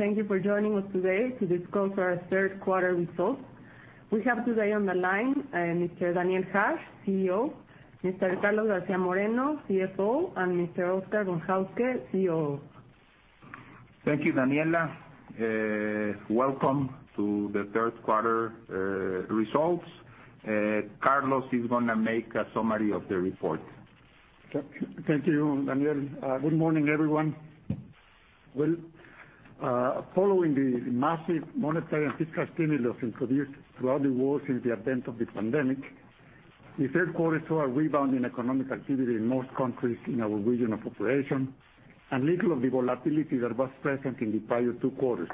Thank you for joining us today to discuss our third quarter results. We have today on the line, Mr. Daniel Hajj, CEO, Mr. Carlos García Moreno, CFO, and Mr. Oscar Von Hauske, COO. Thank you, Daniela. Welcome to the third quarter results. Carlos is going to make a summary of the report. Thank you, Daniel. Good morning, everyone. Well, following the massive monetary and fiscal stimulus introduced throughout the world since the advent of the pandemic, the third quarter saw a rebound in economic activity in most countries in our region of operation, and little of the volatility that was present in the prior two quarters.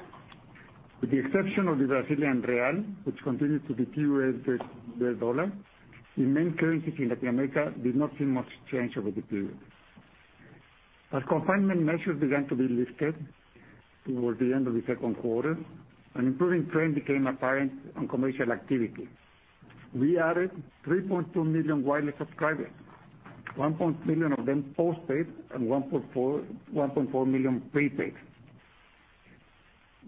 With the exception of the Brazilian real, which continued to deteriorate with the dollar, the main currencies in Latin America did not see much change over the period. As confinement measures began to be lifted toward the end of the second quarter, an improving trend became apparent on commercial activity. We added 3.2 million wireless subscribers, 1.1 million of them postpaid, and 1.4 million prepaid.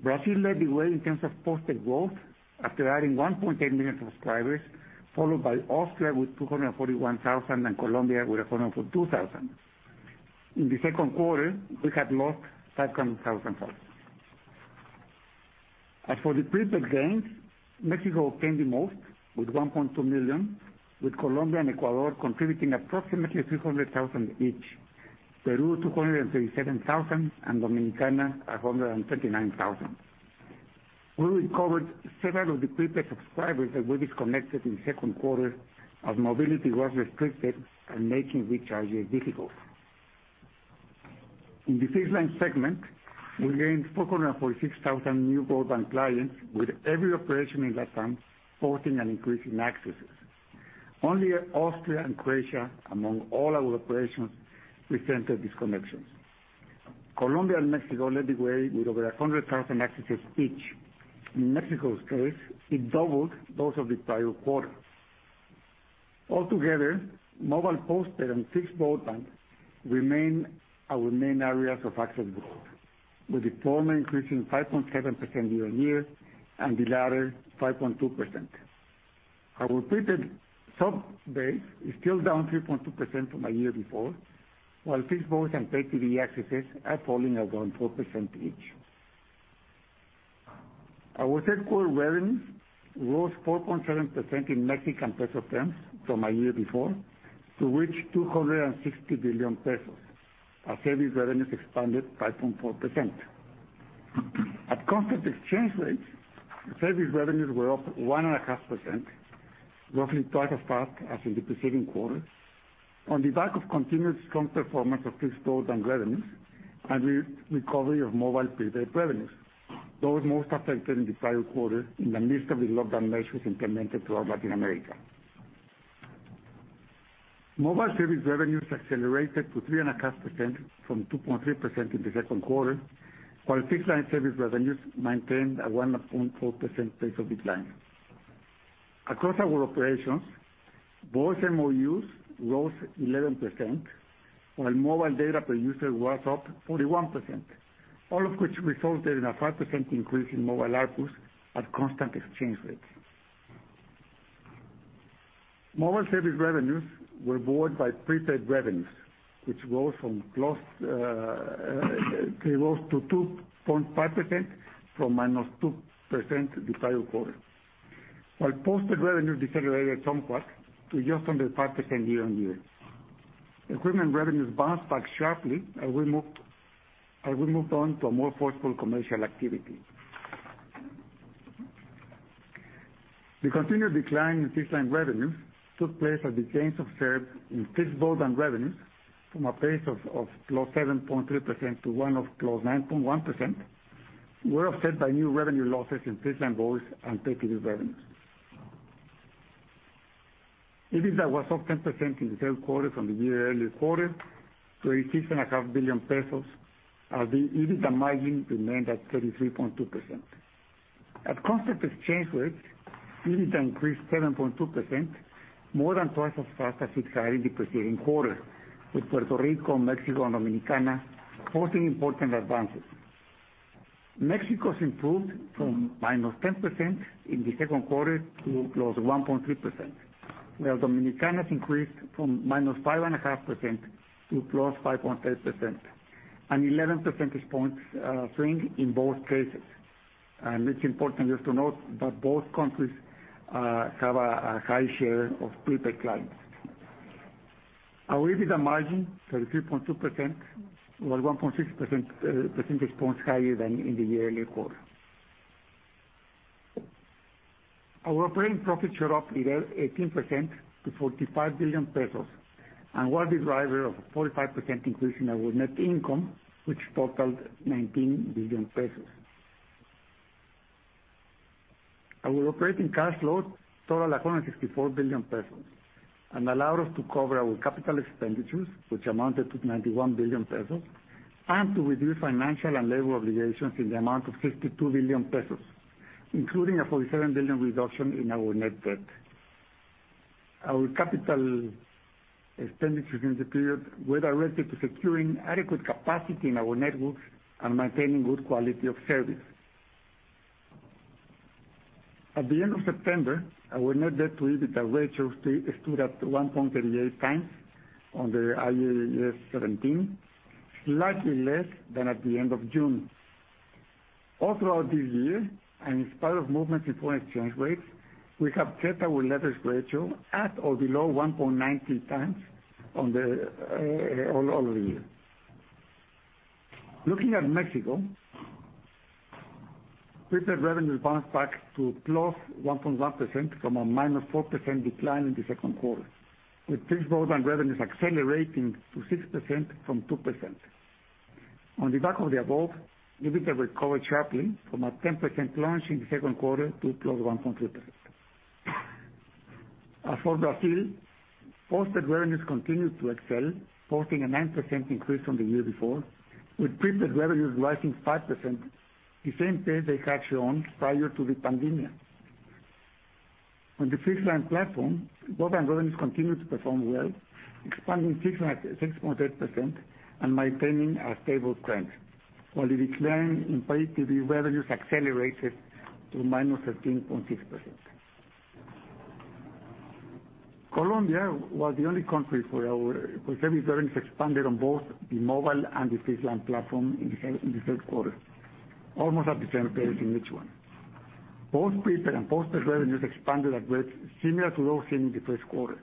Brazil led the way in terms of postpaid growth after adding 1.8 million subscribers, followed by Mexico with 241,000 and Colombia with 102,000. In the second quarter, we had lost 500,000 postpaid. As for the prepaid gains, Mexico gained the most with 1.2 million, with Colombia and Ecuador contributing approximately 300,000 each, Peru 237,000 and Dominicana 129,000. We recovered several of the prepaid subscribers that we disconnected in the second quarter as mobility was restricted and making recharging difficult. In the fixed line segment, we gained 446,000 new broadband clients, with every operation in Latin posting an increase in accesses. Only Austria and Croatia, among all our operations, presented disconnections. Colombia and Mexico led the way with over 100,000 accesses each. In Mexico's case, it doubled those of the prior quarter. Altogether, mobile postpaid and fixed broadband remain our main areas of access growth, with the former increasing 5.7% year-on-year and the latter 5.2%. Our prepaid sub base is still down 3.2% from a year before, while fixed voice and pay TV accesses are falling at around 4% each. Our third quarter revenues rose 4.7% in Mexican peso terms from a year before, to reach 260 billion pesos as service revenues expanded 5.4%. At constant exchange rates, service revenues were up 1.5%, roughly twice as fast as in the preceding quarter, on the back of continued strong performance of fixed voice and revenues and with recovery of mobile prepaid revenues, those most affected in the prior quarter in the midst of the lockdown measures implemented throughout Latin America. Mobile service revenues accelerated to 3.5% from 2.3% in the second quarter, while fixed-line service revenues maintained a 1.4% pace of decline. Across our operations, voice MOUs rose 11%, while mobile data per user was up 41%, all of which resulted in a 5% increase in mobile ARPU at constant exchange rates. Mobile service revenues were buoyed by prepaid revenues, which rose to 2.5% from -2% the prior quarter, while postpaid revenues decelerated somewhat to just under 5% year-over-year. Equipment revenues bounced back sharply as we moved on to a more forceful commercial activity. The continued decline in fixed-line revenues took place as the gains observed in fixed broadband revenues from a pace of +7.3% to one of +9.1%, were offset by new revenue losses in fixed line voice and pay TV revenues. EBITDA was up 10% in the third quarter from the year earlier quarter to 85.5 billion pesos as the EBITDA margin remained at 33.2%. At constant exchange rates, EBITDA increased 7.2%, more than twice as fast as it had in the preceding quarter, with Puerto Rico, Mexico, and Dominicana posting important advances. Mexico's improved from -10% in the second quarter to +1.3%, while Dominicana's increased from -5.5% to +5.8%, an 11 percentage points swing in both cases. It's important just to note that both countries have a high share of prepaid clients. Our EBITDA margin, 33.2%, was 1.6 percentage points higher than in the year earlier quarter. Our operating profit shot up 18% to 45 billion pesos and was the driver of a 45% increase in our net income, which totaled 19 billion pesos. Our operating cash flow totaled 164 billion pesos and allowed us to cover our capital expenditures, which amounted to 91 billion pesos, and to reduce financial and labor obligations in the amount of 62 billion pesos, including a 47 billion reduction in our net debt. Our capital expenditures in the period were directed to securing adequate capacity in our networks and maintaining good quality of service. At the end of September, our net debt to EBITDA ratio stood at 1.38x under IAS 17, slightly less than at the end of June. All throughout this year, and in spite of movements in foreign exchange rates, we have kept our leverage ratio at or below 1.19x all over the year. Looking at Mexico, fixed revenue bounced back to +1.1% from a -4% decline in the second quarter, with fixed voice revenues accelerating to 6% from 2%. On the back of the above, EBITDA recovered sharply from a 10% plunge in the second quarter to +1.3%. As for Brazil, postpaid revenues continued to excel, posting a 9% increase from the year before, with prepaid revenues rising 5%, the same pace they had shown prior to the pandemic. On the fixed line platform, broadband revenues continued to perform well, expanding 6.8% and maintaining a stable trend, while the decline in pay TV revenues accelerated to -13.6%. Colombia was the only country where service revenues expanded on both the mobile and the fixed line platform in the third quarter, almost at the same pace in each one. Both prepaid and postpaid revenues expanded at rates similar to those seen in the first quarter,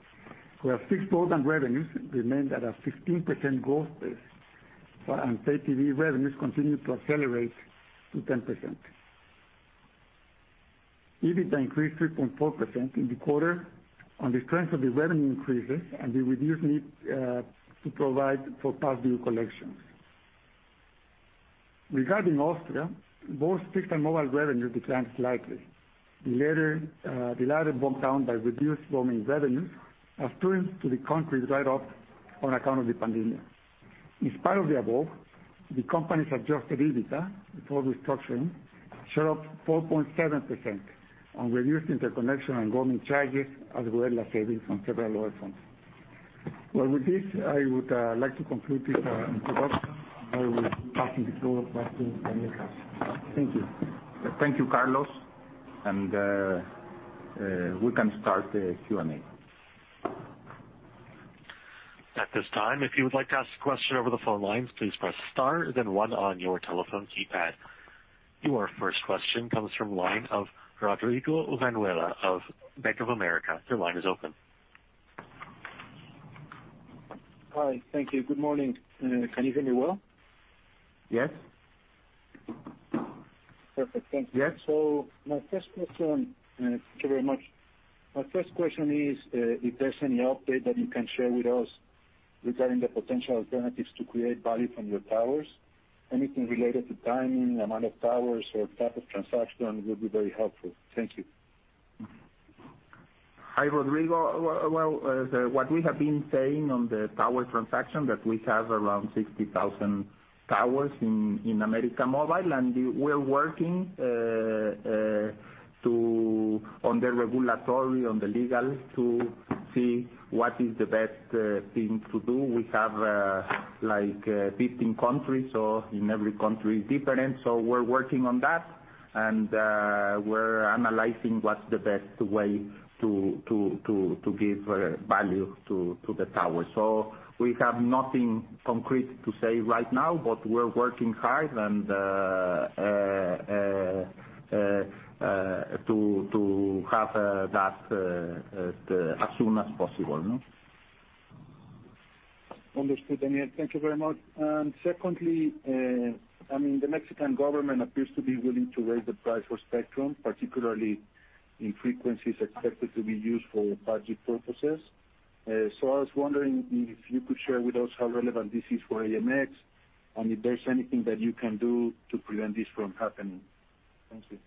where fixed voice revenues remained at a 15% growth pace and pay TV revenues continued to accelerate to 10%. EBITDA increased 3.4% in the quarter on the strength of the revenue increases and the reduced need to provide for past due collections. Regarding Austria, both fixed and mobile revenues declined slightly. The latter brought down by reduced roaming revenues, attuned to the country's write-off on account of the pandemic. In spite of the above, the company's adjusted EBITDA before restructuring showed up 4.7% on reduced interconnection and roaming charges, as well as savings on several other fronts. Well, with this, I would like to conclude this introduction. I will pass the floor back to Daniel Hajj. Thank you. Thank you, Carlos. We can start the Q&A. Your first question comes from line of Rodrigo Villanueva of Bank of America. Your line is open. Hi. Thank you. Good morning. Can you hear me well? Yes. Perfect. Thank you. Yes. My first question, thank you very much. My first question is if there's any update that you can share with us regarding the potential alternatives to create value from your towers. Anything related to timing, amount of towers, or type of transaction would be very helpful. Thank you. Hi, Rodrigo. Well, what we have been saying on the tower transaction, that we have around 60,000 towers in América Móvil, and we're working on the regulatory, on the legal to see what is the best thing to do. We have 15 countries, so in every country is different. We're working on that, and we're analyzing what's the best way to give value to the tower. We have nothing concrete to say right now, but we're working hard and to have that as soon as possible. Understood, Daniel. Thank you very much. Secondly, the Mexican government appears to be willing to raise the price for spectrum, particularly in frequencies expected to be used for 5G purposes. I was wondering if you could share with us how relevant this is for AMX and if there's anything that you can do to prevent this from happening. Thank you.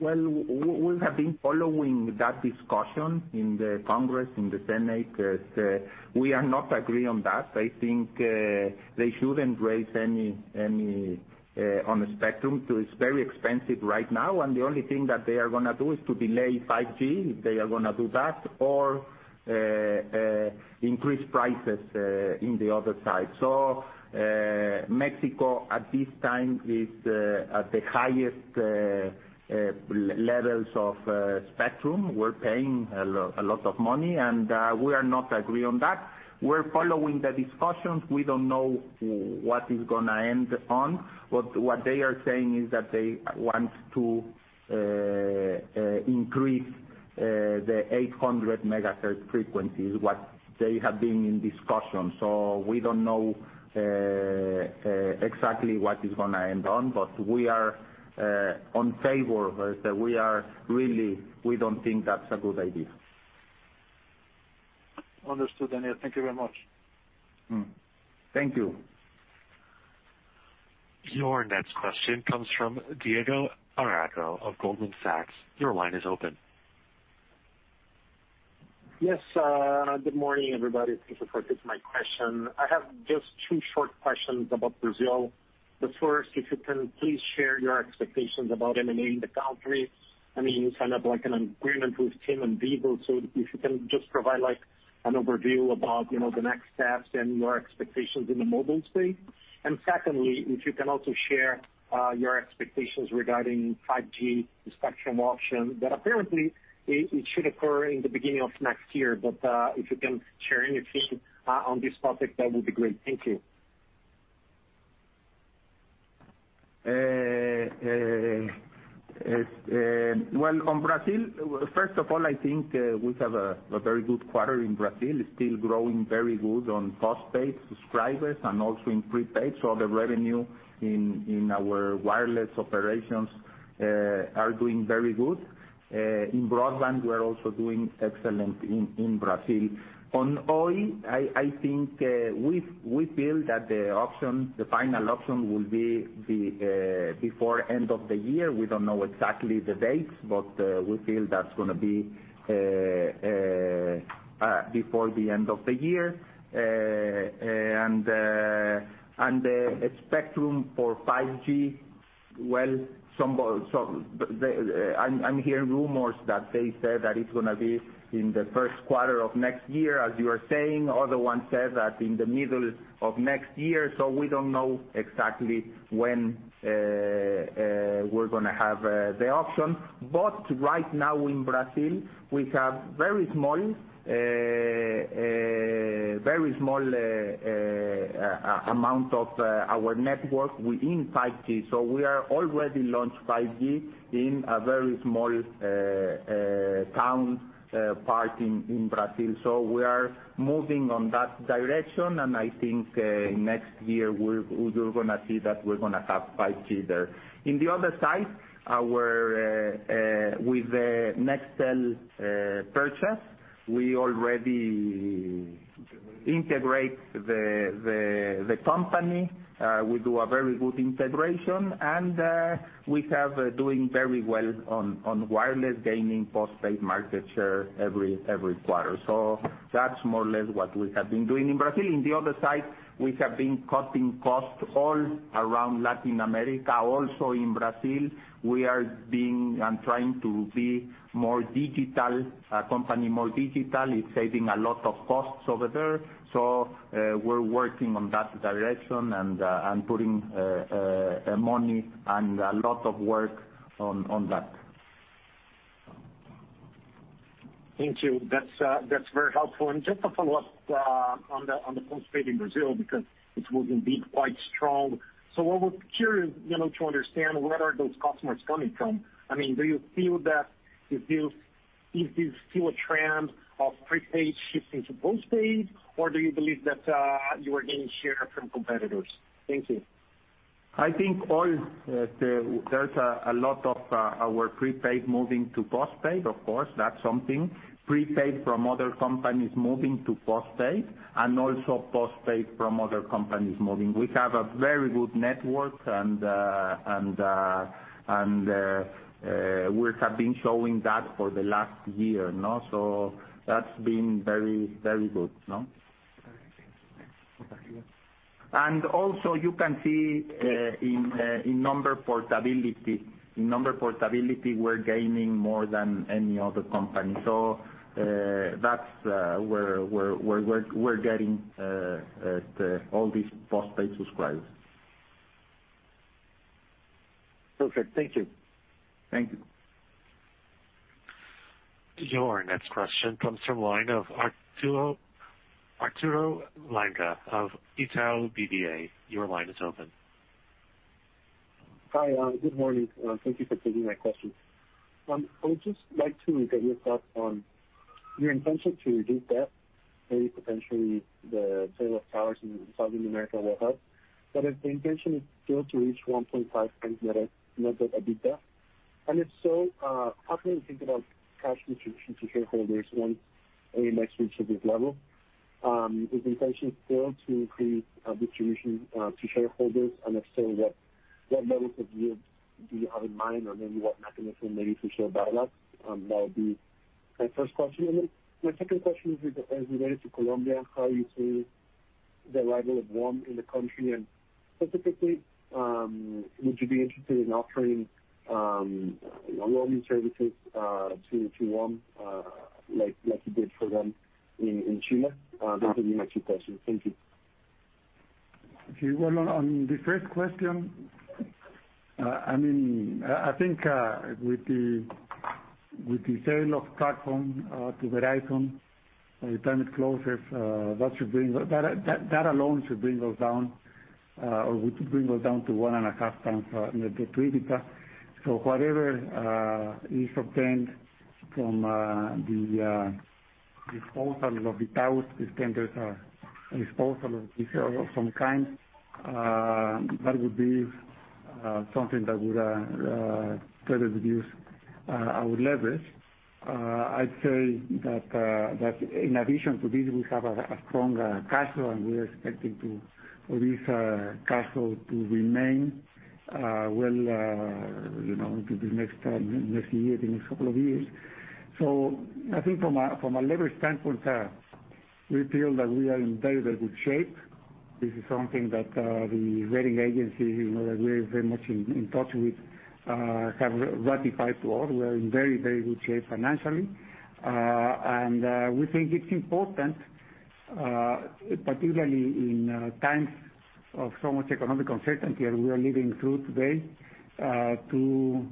Well, we have been following that discussion in the Congress, in the Senate. We are not agree on that. I think they shouldn't raise any on the spectrum. It's very expensive right now, and the only thing that they are going to do is to delay 5G, if they are going to do that, or increase prices in the other side. Mexico at this time is at the highest levels of spectrum. We're paying a lot of money, and we are not agree on that. We're following the discussions. We don't know what it's going to end on. What they are saying is that they want to increase the 800 MHz frequencies, what they have been in discussion. We don't know exactly what it's going to end on, but we are unfavorable. We don't think that's a good idea. Understood, Daniel. Thank you very much. Thank you. Your next question comes from Diego Aragao of Goldman Sachs. Your line is open. Yes. Good morning, everybody. Thank you for taking my question. I have just two short questions about Brazil. First, if you can please share your expectations about M&A in the country. You signed an agreement with TIM and Vivo, so if you can just provide an overview about the next steps and your expectations in the mobile space. Secondly, if you can also share your expectations regarding 5G, the spectrum auction, that apparently it should occur in the beginning of next year. If you can share anything on this topic, that would be great. Thank you. On Brazil, first of all, I think we have a very good quarter in Brazil. It's still growing very good on postpaid subscribers and also in prepaid. The revenue in our wireless operations are doing very good. In broadband, we're also doing excellent in Brazil. On Oi, I think we feel that the final auction will be before end of the year. We don't know exactly the dates, but we feel that's going to be before the end of the year. The spectrum for 5G, I'm hearing rumors that they said that it's going to be in the first quarter of next year, as you are saying. Other one said that in the middle of next year. We don't know exactly when we're going to have the auction. Right now in Brazil, we have very small amount of our network in 5G. We are already launched 5G in a very small town part in Brazil. We are moving on that direction, and I think next year, you're going to see that we're going to have 5G there. In the other side, with the Nextel purchase, we already integrate the company. We do a very good integration, and we have doing very well on wireless gaining postpaid market share every quarter. That's more or less what we have been doing in Brazil. In the other side, we have been cutting costs all around Latin America. Also in Brazil, we are trying to be a more digital company. It's saving a lot of costs over there. We're working on that direction and putting money and a lot of work on that. Thank you. That's very helpful. Just a follow-up on the postpaid in Brazil, because it's moving to be quite strong. What we're curious to understand, where are those customers coming from? Do you feel is this still a trend of prepaid shifting to postpaid, or do you believe that you are gaining share from competitors? Thank you. I think there's a lot of our prepaid moving to postpaid, of course, that's something. Prepaid from other companies moving to postpaid, and also postpaid from other companies moving. We have a very good network, and we have been showing that for the last year. That's been very good. Okay. Thank you. You can see in number portability, we're gaining more than any other company. That's where we're getting all these postpaid subscribers. Perfect. Thank you. Thank you. Your next question comes from line of Arturo Langa of Itaú BBA. Your line is open. Hi. Good morning. Thank you for taking my question. I would just like to get your thoughts on your intention to reduce debt, maybe potentially the sale of towers in South America will help. If the intention is still to reach 1.5x net debt EBITDA, and if so, how can we think about cash distribution to shareholders once AMX reach of this level? Is the intention still to create a distribution to shareholders? If so, what level of yield do you have in mind? What mechanism maybe to show that up? That would be my first question. My second question is related to Colombia, how you see the arrival of WOM in the country, and specifically, would you be interested in offering roaming services to WOM, like you did for them in Chile? Those are the next two questions. Thank you. Okay. Well, on the first question, I think with the sale of TracFone to Verizon, by the time it closes, that alone should bring us down to 1.5x net debt to EBITDA. Whatever is obtained from the disposal of the towers, if then there's a disposal of some kind, that would be something that would further reduce our leverage. I'd say that in addition to this, we have a strong cash flow, and we are expecting for this cash flow to remain well into this next year, the next couple of years. I think from a leverage standpoint. We feel that we are in very good shape. This is something that the rating agencies, that we're very much in touch with, have ratified to all. We are in very good shape financially. We think it's important, particularly in times of so much economic uncertainty, and we are living through today, to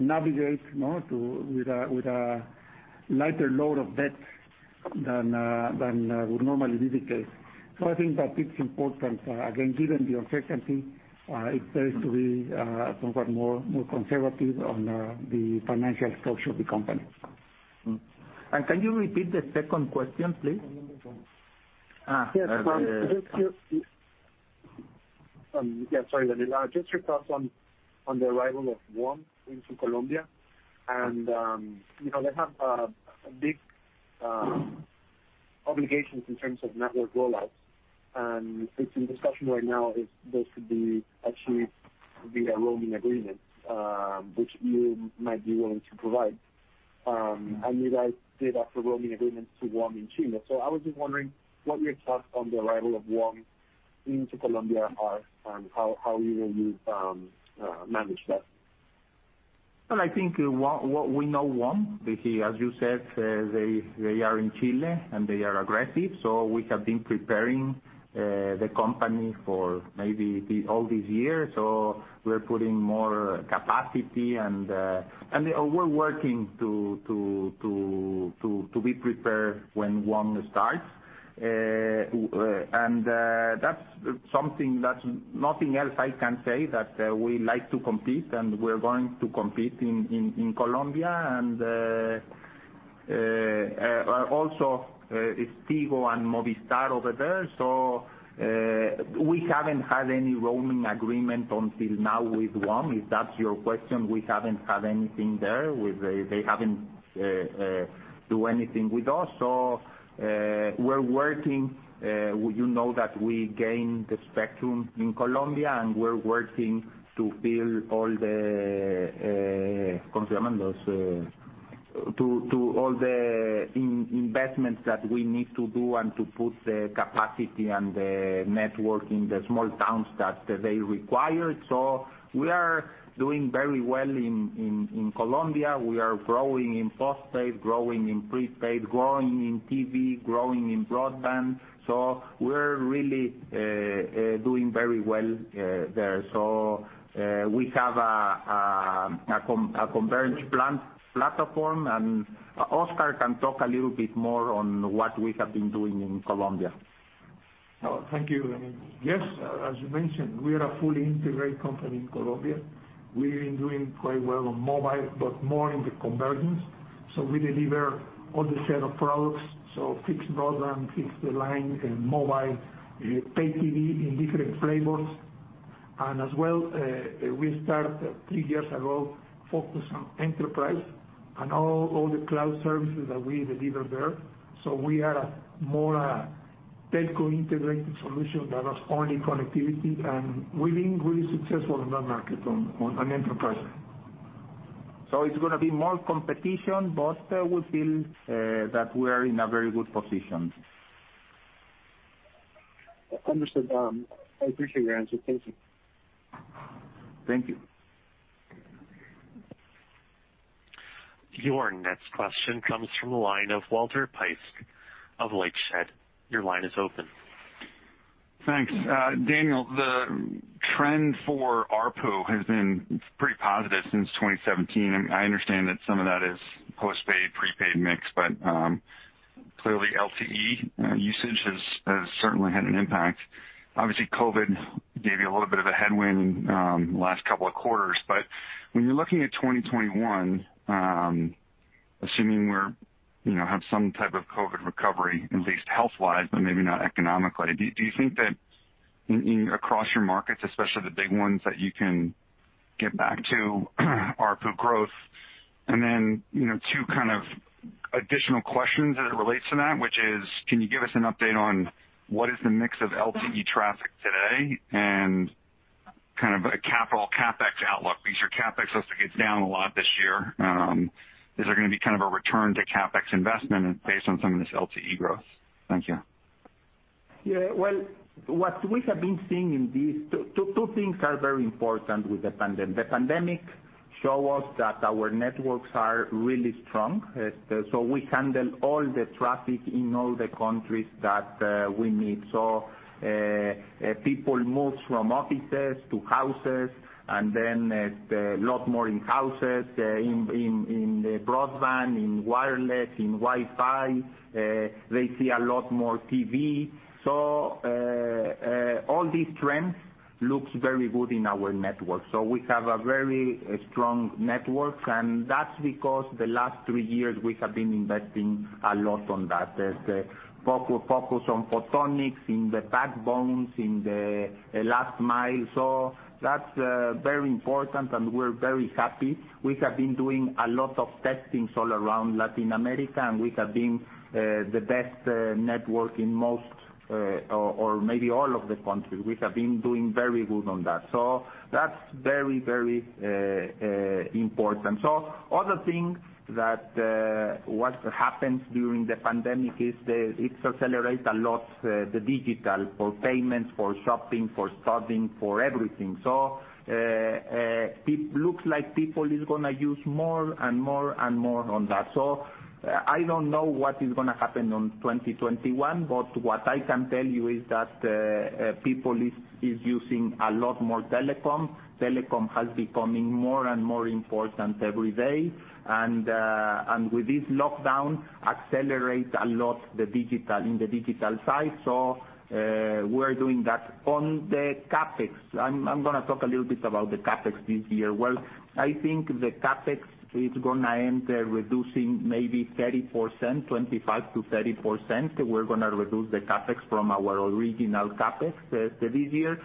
navigate with a lighter load of debt than would normally be the case. I think that it's important. Again, given the uncertainty, it pays to be somewhat more conservative on the financial structure of the company. Can you repeat the second question, please? Yes. Sorry, Daniel. I just recalled on the arrival of WOM into Colombia, they have big obligations in terms of network rollout. It's in discussion right now if there could be actually be a roaming agreement, which you might be willing to provide. You guys did offer roaming agreements to WOM in Chile. I was just wondering what your thoughts on the arrival of WOM into Colombia are, and how you will manage that. I think we know WOM. As you said, they are in Chile, and they are aggressive. We have been preparing the company for maybe all these years. We're putting more capacity, and we're working to be prepared when WOM starts. That's something that nothing else I can say that we like to compete, and we're going to compete in Colombia. Also, it's Tigo and Movistar over there. We haven't had any roaming agreement until now with WOM, if that's your question. We haven't had anything there. They haven't done anything with us. We're working. You know that we gained the spectrum in Colombia, and we're working to build all the investments that we need to do and to put the capacity and the network in the small towns that they require. We are doing very well in Colombia. We are growing in postpaid, growing in prepaid, growing in TV, growing in broadband. We're really doing very well there. We have a converged platform, and Oscar can talk a little bit more on what we have been doing in Colombia. Thank you. Yes, as you mentioned, we are a fully integrated company in Colombia. We've been doing quite well on mobile, but more in the convergence. We deliver all the set of products, so fixed broadband, fixed line, and mobile, pay TV in different flavors. As well, we start three years ago, focused on enterprise and all the cloud services that we deliver there. We are more a telco integrated solution that has only connectivity, and we've been really successful in that market on an enterprise. It's going to be more competition, but we feel that we're in a very good position. Understood. I appreciate your answer. Thank you. Thank you. Your next question comes from the line of Walter Piecyk of LightShed. Your line is open. Thanks, Daniel. The trend for ARPU has been pretty positive since 2017. I understand that some of that is postpaid, prepaid mix, clearly, LTE usage has certainly had an impact. Obviously, COVID gave you a little bit of a headwind last couple of quarters. When you're looking at 2021, assuming we have some type of COVID recovery, at least health-wise, but maybe not economically, do you think that across your markets, especially the big ones, that you can get back to ARPU growth? Two additional questions as it relates to that, which is, can you give us an update on what is the mix of LTE traffic today and a capital CapEx outlook, because your CapEx looks like it is down a lot this year. Is there going to be a return to CapEx investment based on some of this LTE growth? Thank you. What we have been seeing in these two things are very important with the pandemic. The pandemic show us that our networks are really strong. We handle all the traffic in all the countries that we need. People move from offices to houses, and then a lot more in houses, in the broadband, in wireless, in Wi-Fi. They see a lot more TV. All these trends looks very good in our network. We have a very strong network, and that's because the last three years, we have been investing a lot on that. As the focus on photonics, in the backbones, in the last mile. That's very important, and we're very happy. We have been doing a lot of testings all around Latin America, and we have been the best network in most, or maybe all of the country. We have been doing very good on that. That's very important. Other thing that what happens during the pandemic is that it accelerates a lot the digital for payments, for shopping, for studying, for everything. It looks like people is going to use more and more on that. I don't know what is going to happen on 2021, but what I can tell you is that people is using a lot more telecom. Telecom has becoming more and more important every day. With this lockdown, accelerate a lot in the digital side. We're doing that. On the CapEx, I'm going to talk a little bit about the CapEx this year. I think the CapEx is going to end reducing maybe 30%, 25%-30%. We're going to reduce the CapEx from our original CapEx this year.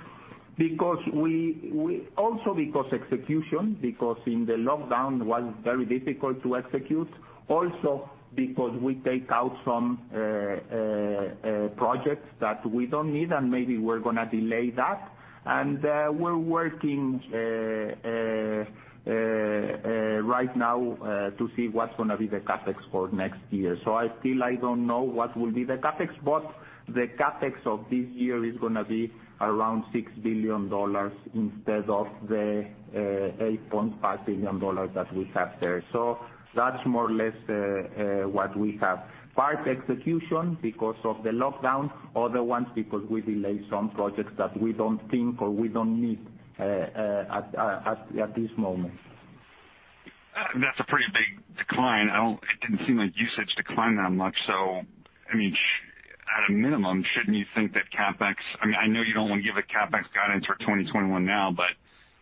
Also because execution, because in the lockdown was very difficult to execute. Also because we take out some projects that we don't need, and maybe we're going to delay that. We're working right now to see what's going to be the CapEx for next year. I still don't know what will be the CapEx, but the CapEx of this year is going to be around $6 billion instead of the $8.5 billion that we have there. That's more or less what we have. Part execution because of the lockdown, other ones because we delay some projects that we don't think or we don't need at this moment. That's a pretty big decline. It didn't seem like usage declined that much, at a minimum, shouldn't you think that CapEx I know you don't want to give a CapEx guidance for 2021 now,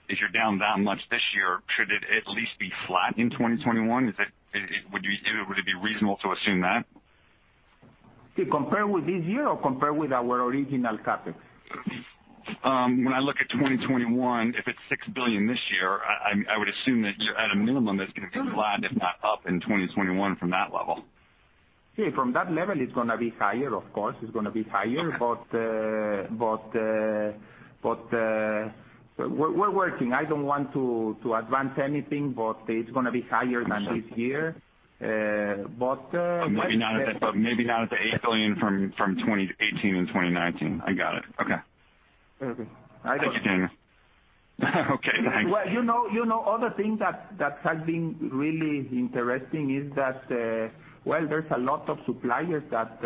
if you're down that much this year, should it at least be flat in 2021? Would it be reasonable to assume that? To compare with this year or compare with our original CapEx? When I look at 2021, if it's $6 billion this year, I would assume that at a minimum, it's going to be flat, if not up in 2021 from that level. From that level, it's going to be higher, of course. It's going to be higher. Okay. We're working. I don't want to advance anything, but it's going to be higher than this year. Maybe not at the $8 billion from 2018 and 2019. I got it. Okay. Okay. Thank you, Daniel. Okay, thanks. Well, other thing that has been really interesting is that, while there's a lot of suppliers that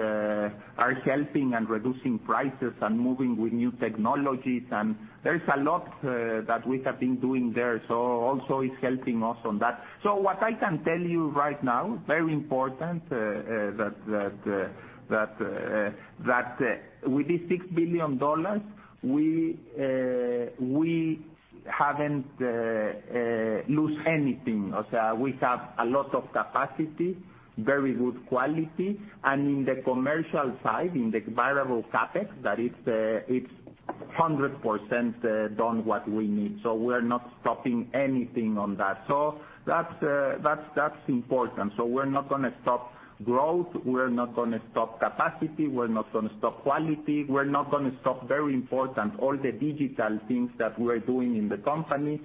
are helping and reducing prices and moving with new technologies, there is a lot that we have been doing there. Also it's helping us on that. What I can tell you right now, very important, that with this $6 billion, we haven't lose anything. We have a lot of capacity, very good quality. In the commercial side, in the variable CapEx, that it's 100% done what we need. We're not stopping anything on that. That's important. We're not going to stop growth, we're not going to stop capacity, we're not going to stop quality. We're not going to stop, very important, all the digital things that we're doing in the company.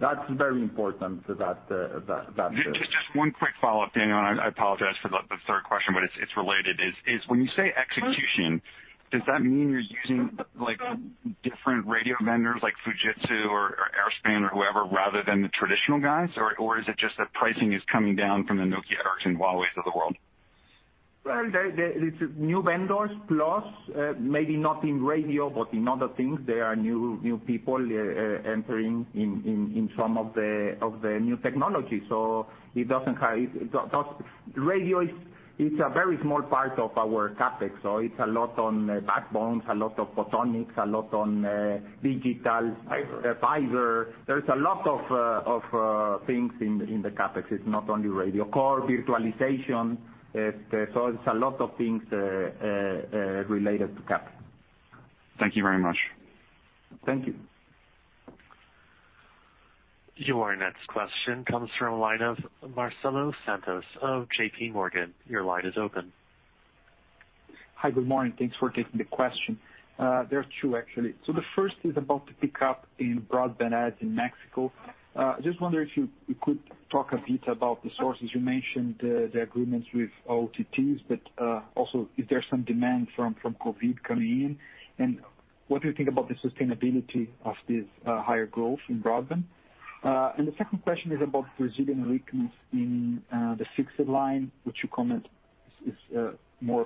That's very important. Just one quick follow-up, Daniel, and I apologize for the third question, but it's related. When you say execution, does that mean you're using different radio vendors like Fujitsu or Airspan or whoever rather than the traditional guys? Or is it just that pricing is coming down from the Nokia, Ericsson, and Huawei of the world? Well, it's new vendors plus, maybe not in radio, but in other things, there are new people entering in some of the new technology. Radio is a very small part of our CapEx. It's a lot on backbones, a lot of photonics, a lot on digital. Fiber fiber. There's a lot of things in the CapEx. It's not only radio. core virtualization. It's a lot of things related to CapEx. Thank you very much. Thank you. Your next question comes from the line of Marcelo Santos of JPMorgan. Your line is open. Hi, good morning. Thanks for taking the question. There are two, actually. The first is about the pickup in broadband adds in Mexico. Just wonder if you could talk a bit about the sources. You mentioned the agreements with OTTs, but also is there some demand from COVID coming in? What do you think about the sustainability of this higher growth in broadband? The second question is about Brazilian weakness in the fixed line, which you comment is more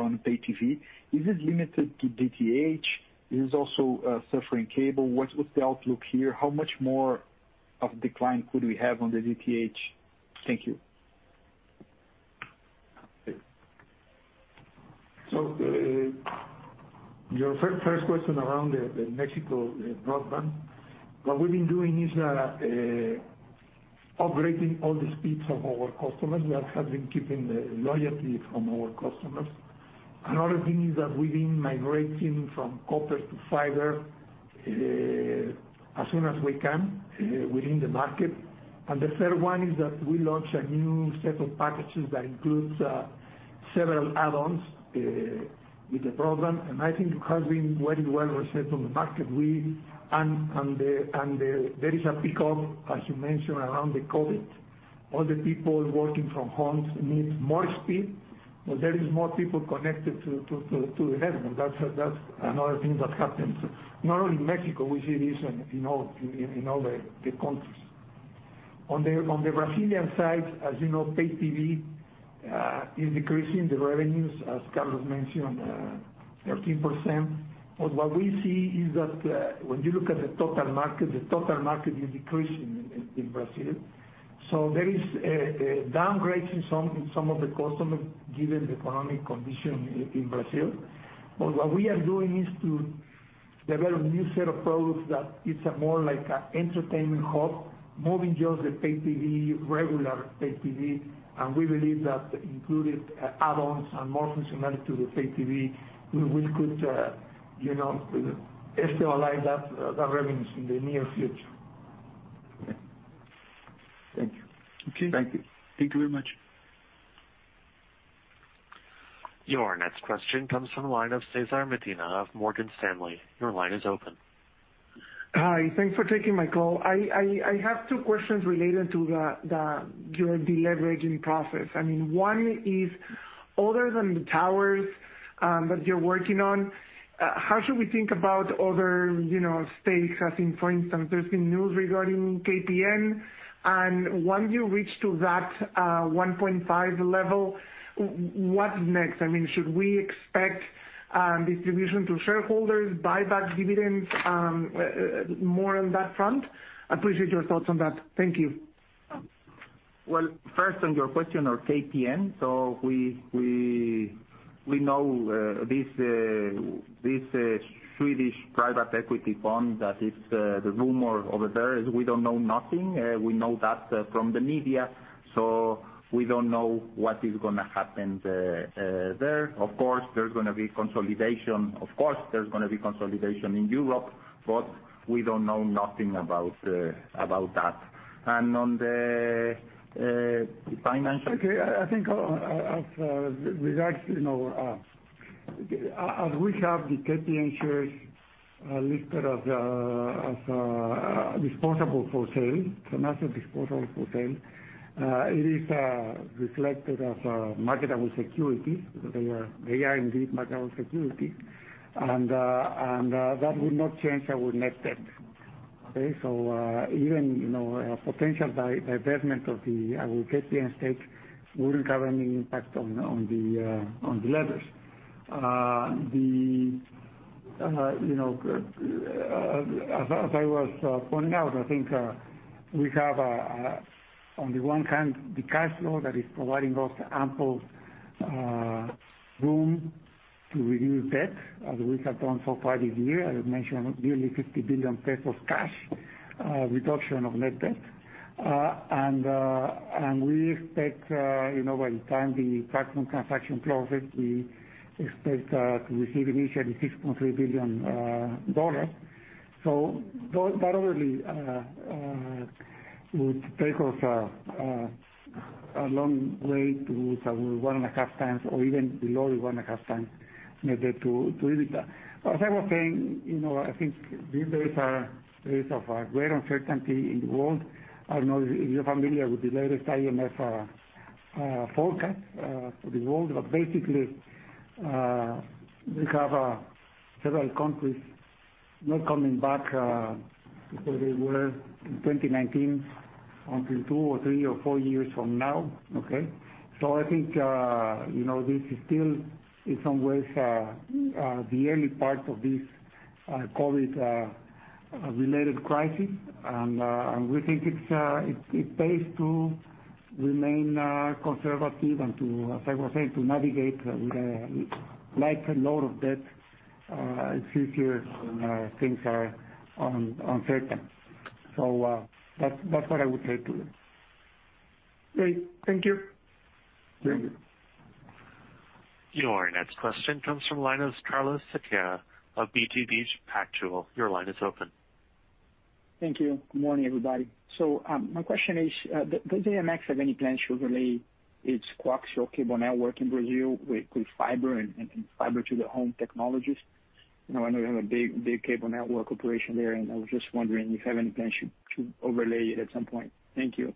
on pay TV. Is it limited to DTH? Is also suffering cable? What's the outlook here? How much more of decline could we have on the DTH? Thank you. Your first question around the Mexico broadband, what we've been doing is upgrading all the speeds of our customers. We have been keeping the loyalty from our customers. Another thing is that we've been migrating from copper to fiber as soon as we can within the market. The third one is that we launched a new set of packages that includes several add-ons with the program, and I think it has been very well received on the market. There is a pickup, as you mentioned, around the COVID. All the people working from homes need more speed. There is more people connected to the network. That's another thing that happens. Not only Mexico, we see this in all the countries. On the Brazilian side, as you know, pay TV is decreasing the revenues, as Carlos mentioned, 13%. What we see is that when you look at the total market, the total market is decreasing in Brazil. There is a downgrading in some of the customers given the economic condition in Brazil. What we are doing is to develop a new set of products that is more like an entertainment hub, moving just the pay TV, regular pay TV. We believe that included add-ons and more functionality to the pay TV, we could stabilize that revenue in the near future. Thank you. Okay. Thank you. Thank you very much. Your next question comes from the line of Cesar Medina of Morgan Stanley. Your line is open. Hi. Thanks for taking my call. I have two questions related to your deleveraging process. One is, other than the towers that you're working on, how should we think about other stakes? As in, for instance, there's been news regarding KPN. Once you reach to that 1.5 level, what next? Should we expect distribution to shareholders, buyback dividends, more on that front? Appreciate your thoughts on that. Thank you. Well, first on your question on KPN. We know this Swedish private equity fund that is the rumor over there is we don't know nothing. We know that from the media, so we don't know what is going to happen there. Of course, there's going to be consolidation in Europe, but we don't know nothing about that. I think as regards, as we have the KPN shares listed as disposable for sale, financial disposable for sale, it is reflected as a marketable security. They are indeed marketable security, that would not change our net debt. Okay. Even potential divestment of the KPN stake wouldn't have any impact on the levers. As I was pointing out, I think we have on the one hand, the cash flow that is providing us ample room to reduce debt as we have done so far this year. I mentioned nearly 50 billion pesos cash reduction of net debt. We expect by the time the TracFone transaction closes, we expect to receive initially $6.3 billion. That already would take us a long way to 1.5x or even below 1.5x net debt to EBITDA. As I was saying, I think these days are days of great uncertainty in the world. I don't know if you're familiar with the latest IMF forecast for the world, but basically, we have several countries not coming back to where they were in 2019 until two or three or four years from now. Okay? I think this is still, in some ways, the early part of this COVID-related crisis, and we think it pays to remain conservative and to, as I was saying, to navigate with a lighter load of debt. It's easier when things are uncertain. That's what I would say to you. Great. Thank you. Thank you. Your next question comes from the line of Carlos Sequeira of BTG Pactual. Your line is open. Thank you. Good morning, everybody. My question is, does AMX have any plans to overlay its coaxial cable network in Brazil with fiber and fiber to the home technologies? I know you have a big cable network operation there, and I was just wondering if you have any plans to overlay it at some point. Thank you.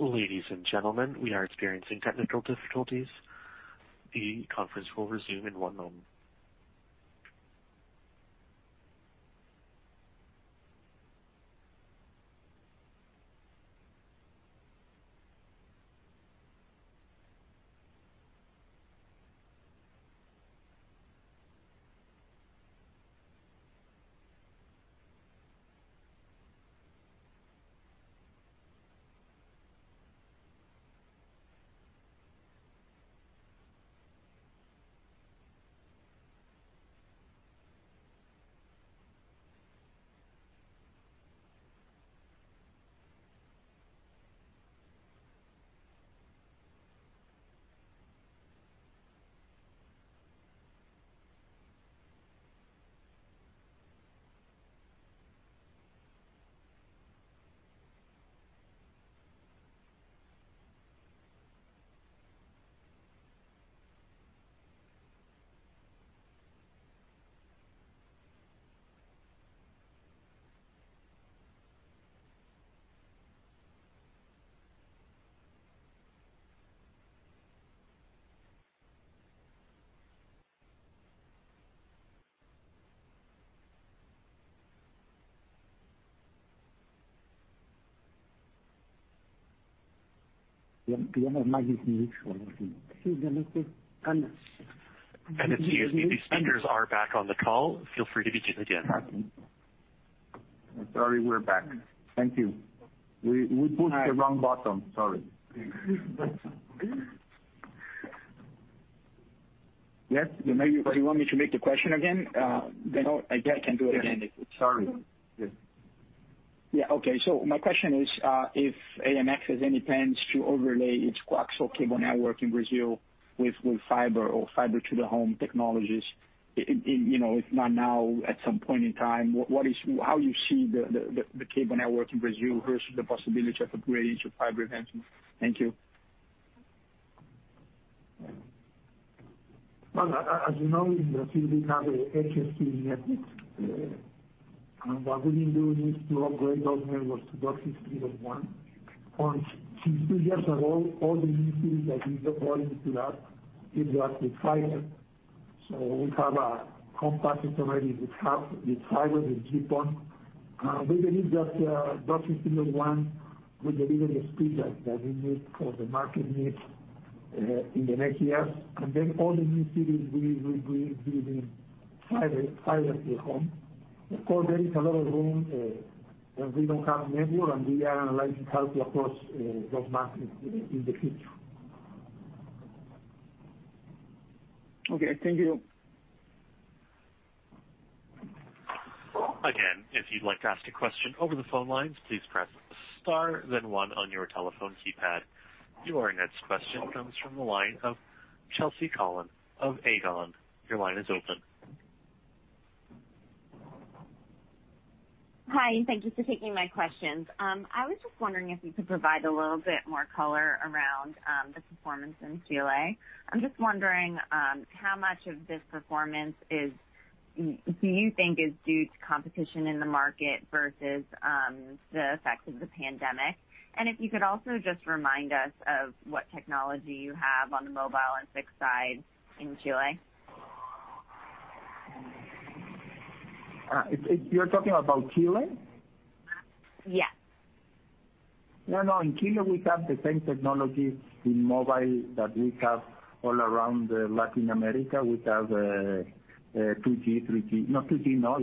Ladies and gentlemen, we are experiencing technical difficulties. The conference will resume in one moment. If the speakers are back on the call, feel free to begin again. Sorry, we're back. Thank you. We pushed the wrong button, sorry. Yes. Do you want me to make the question again? I can do it again. Sorry. Yeah. My question is, if AMX has any plans to overlay its coaxial cable network in Brazil with fiber or fiber to the home technologies, if not now, at some point in time. How you see the cable network in Brazil versus the possibility of upgrading to fiber? Thank you. Well, as you know, in Brazil we have a HFC network. What we've been doing is to upgrade those networks to DOCSIS 3.1. Since two years ago, all the new cities that we got into that, we got with fiber. We have a composite already with fiber, with GPON. We believe that DOCSIS 3.1 will deliver the speed that we need for the market need in the next years. All the new cities, we will build fiber to the home. Of course, there is a lot of room where we don't have network, and we are analyzing how to approach those markets in the future. Okay. Thank you. Again, if you'd like to ask a question over the phone lines, please press Star then one on your telephone keypad. Your next question comes from the line of Chelsea Colón of Aegon. Your line is open. Hi, thank you for taking my questions. I was just wondering if you could provide a little bit more color around the performance in Chile. I'm just wondering, how much of this performance do you think is due to competition in the market versus the effects of the pandemic? If you could also just remind us of what technology you have on the mobile and fixed side in Chile. You're talking about Chile? Yes. No, no. In Chile, we have the same technology in mobile that we have all around Latin America. We have 2G, 3G. No 2G, no.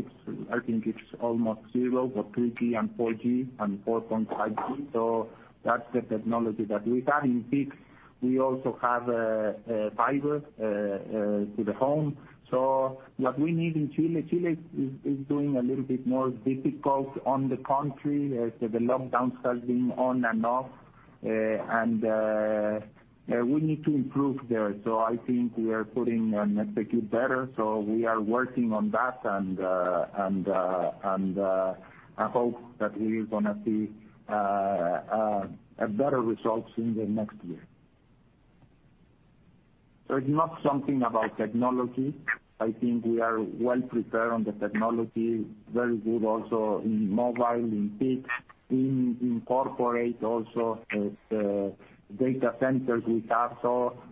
I think it's almost zero, but 3G and 4G and 4.5G. That's the technology that we have. In fixed, we also have fiber to the home. What we need in Chile is doing a little bit more difficult on the country. The lockdowns have been on and off, and we need to improve there. I think we are putting and execute better. We are working on that and hope that we are going to see a better results in the next year. It's not something about technology. I think we are well prepared on the technology, very good also in mobile, in fixed, in corporate also, data centers we have.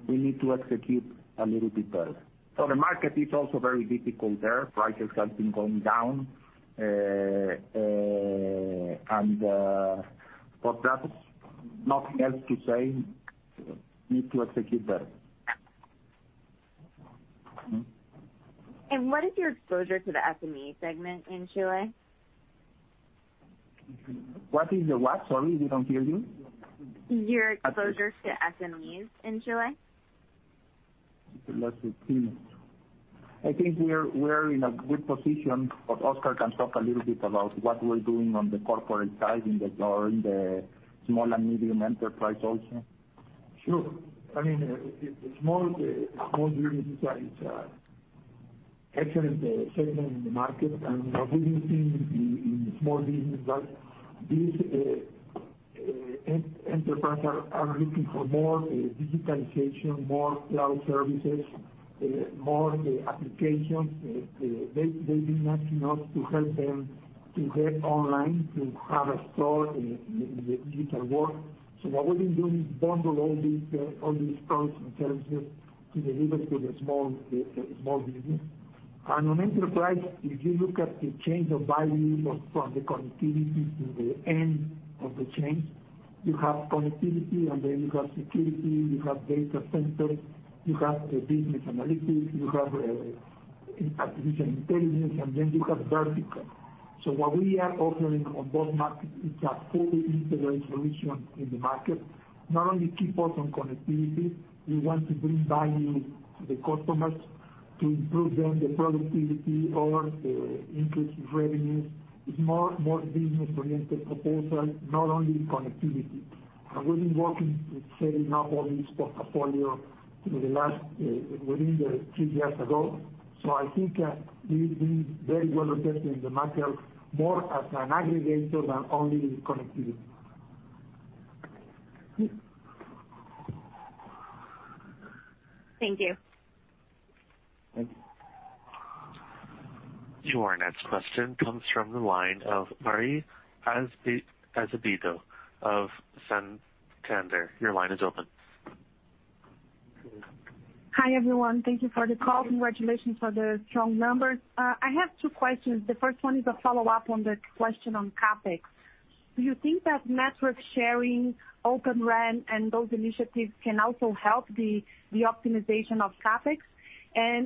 We need to execute a little bit better. The market is also very difficult there. Prices have been going down. That's nothing else to say. We need to execute better. What is your exposure to the SME segment in Chile? What is the what? Sorry, we don't hear you. Your exposure to SMEs in Chile. I think we're in a good position, but Oscar can talk a little bit about what we're doing on the corporate side in the small and medium enterprise also. Sure. Small business is excellent segment in the market, what we've been seeing in small business that these enterprise are looking for more digitalization, more cloud services, more applications. They do not have enough to help them to get online, to have a store in the digital world. What we've been doing is bundle all these products and services to deliver to the small business. On enterprise, if you look at the change of value from the connectivity to the end of the chain, you have connectivity, then you have security, you have data centers, you have business analytics, you have artificial intelligence, then you have vertical. What we are offering on both markets is a fully integrated solution in the market. Not only keep us on connectivity, we want to bring value to the customers to improve their productivity or increase revenues. It's more business-oriented proposal, not only connectivity. We've been working with setting up all this portfolio within the two years ago. I think we've been very well accepted in the market more as an aggregator than only connectivity. Thank you. Thank you. Your next question comes from the line of Marie Azevedo of Santander. Hi, everyone. Thank you for the call. Congratulations for the strong numbers. I have two questions. The first one is a follow-up on the question on CapEx. Do you think that network sharing, Open RAN, and those initiatives can also help the optimization of CapEx?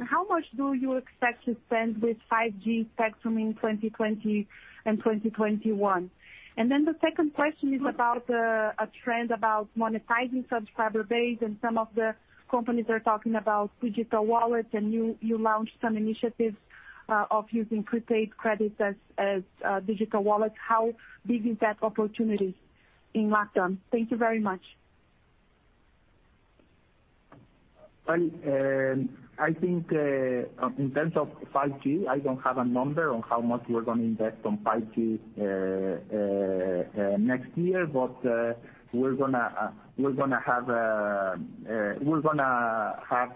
How much do you expect to spend with 5G spectrum in 2020 and 2021? The second question is about a trend about monetizing subscriber base, and some of the companies are talking about digital wallets, and you launched some initiatives of using prepaid credits as digital wallets. How big is that opportunity in LatAm? Thank you very much. Well, I think, in terms of 5G, I don't have a number on how much we're going to invest on 5G next year. We're going to have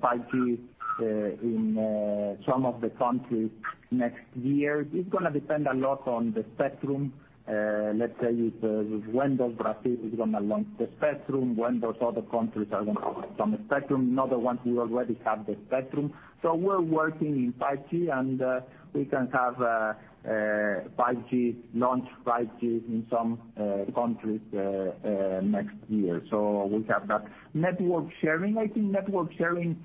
5G in some of the countries next year. It's going to depend a lot on the spectrum. Let's say when Brazil is going to launch the spectrum, when those other countries are going to launch some spectrum, another one who already have the spectrum. We're working in 5G, and we can have 5G, launch 5G in some countries next year. We have that. Network sharing, I think network sharing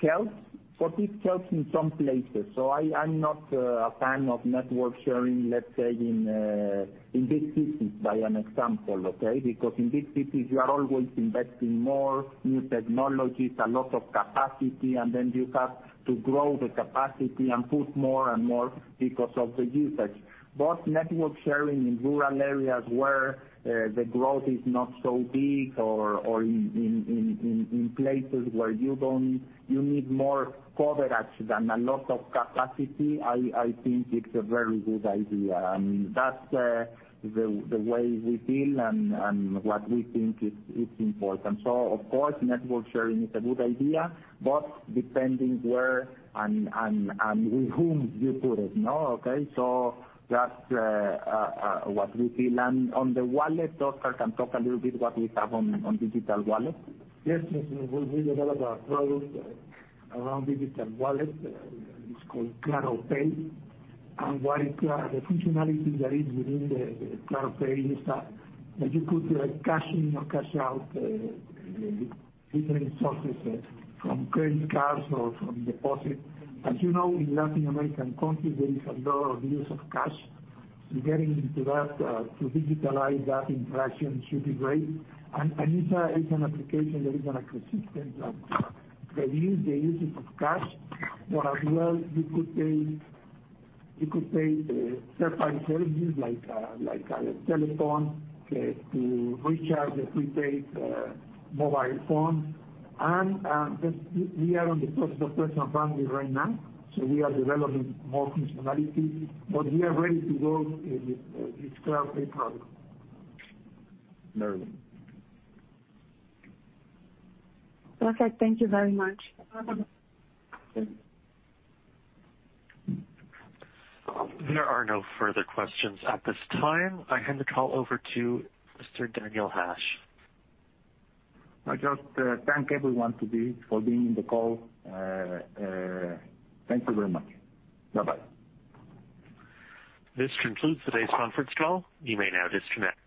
helps, but it helps in some places. I'm not a fan of network sharing, let's say, in big cities, by an example, okay? In big cities, you are always investing more new technologies, a lot of capacity, and then you have to grow the capacity and put more and more because of the usage. Network sharing in rural areas where the growth is not so big or in places where you need more coverage than a lot of capacity, I think it's a very good idea. I mean, that's the way we feel and what we think is important. Of course, network sharing is a good idea, but depending where and with whom you put it. Okay? That's what we feel. On the wallet, Oscar can talk a little bit what we have on digital wallet. Yes. We've developed a product around digital wallet. It's called Claro Pay. The functionality that is within the Claro Pay is that you could cash in or cash out different sources from credit cards or from deposit. As you know, in Latin American countries, there is a lot of use of cash. Getting into that, to digitalize that interaction should be great. It's an application that is an assistant that they use the usage of cash. As well, you could pay certified services like a telephone to recharge the prepaid mobile phone. We are in the process of personal banking right now. We are developing more functionality, but we are ready to go with Claro Pay product. Very well. Okay. Thank you very much. Welcome. There are no further questions at this time. I hand the call over to Mr. Daniel Hajj. I just thank everyone for being in the call. Thank you very much. Bye-bye. This concludes today's conference call. You may now disconnect.